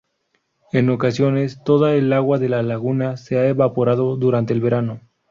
En ocasiones toda el agua de la laguna se ha evaporado durante el verano.